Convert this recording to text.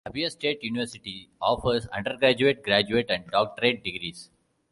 Abia State University offers undergraduate, graduate and doctorate degrees.